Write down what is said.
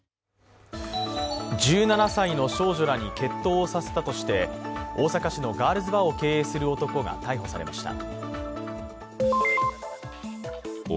１７歳の少女らに決闘をさせたとして大阪市のガールズバーを経営する男が逮捕されました。